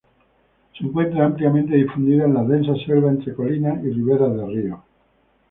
Se encuentra ampliamente difundida en las densas selvas entre colinas y riveras de ríos.